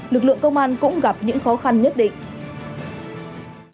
lực lượng công an cũng gặp những khó khăn nhất định